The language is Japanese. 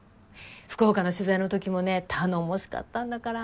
福岡の取材の時もね頼もしかったんだから。